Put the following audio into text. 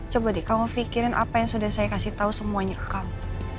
coba deh kamu pikirin apa yang sudah saya kasih tahu semuanya ke kamu